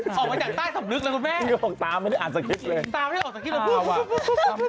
คุณแม่งนะท่านพี่เห็นออกไปจากใต้สมนึกแล้วคุณแม่ง